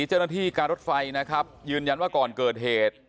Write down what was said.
เจ้าหน้าที่การรถไฟนะครับยืนยันว่าก่อนเกิดเหตุ